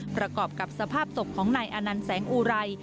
ประกอบกับสภาพศพของนายอานันต์แสงอุไร